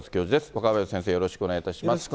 若林先生、よろしくお願いします。